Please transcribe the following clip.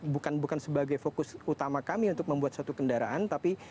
bukan bukan sebagai fokus utama kami untuk membuat satu kendaraan tapi